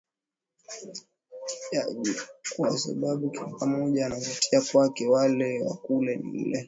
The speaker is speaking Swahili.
ja kwa sababu kila mmoja anavutia kwake wale wa kule nile